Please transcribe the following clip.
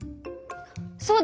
そうだ！